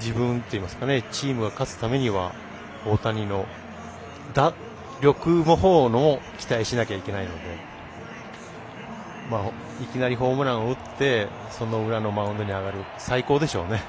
自分といいますかチームが勝つためには大谷の打力のほうも期待しないといけないのでいきなりホームランを打ってその裏のマウンドに上がる最高でしょうね。